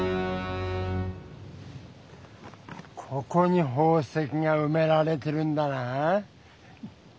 ここに宝石がうめられてるんだな？